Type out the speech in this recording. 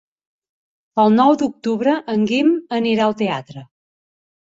El nou d'octubre en Guim anirà al teatre.